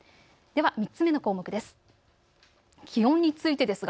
では３つ目の項目です。